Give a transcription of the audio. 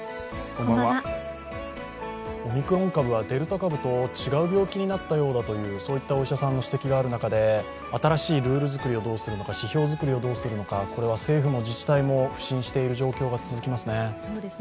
オミクロン株はデルタ株と違う病気になったようだという、そういったお医者さんの指摘がある中で、新しいルール作りをどうするのか、指標作りをどうするのか、これは政府も自治体も苦心している状況が続きますね。